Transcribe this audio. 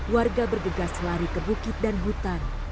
warga bergegas lari ke bukit dan hutan